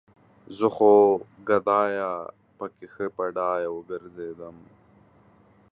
زه خو ګدايه پکې ښه بډايه وګرځېدم